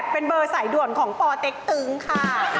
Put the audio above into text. เป็นเบอร์สายด่วนของปเต็กตึงค่ะ